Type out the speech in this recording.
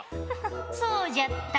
そうじゃった。